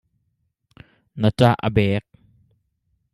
Na ṭah a bek.